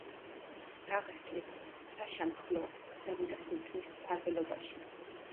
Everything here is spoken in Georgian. დაღესტნის საშამხლო გადავიდა სულთნის მფარველობაში.